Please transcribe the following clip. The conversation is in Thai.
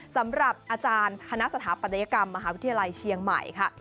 สำหรับอาจารย์คณะสถาปัตยกรรมมหาวิทยาลัยเชียงใหม่ค่ะ